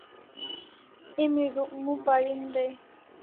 Emi Rukmu parin dai